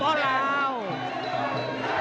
เรียบร้อย